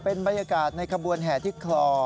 เป็นบรรยากาศในขบวนแห่ที่คลอ